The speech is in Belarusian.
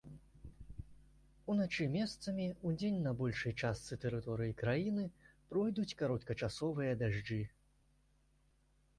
Уначы месцамі, удзень на большай частцы тэрыторыі краіны пройдуць кароткачасовыя дажджы.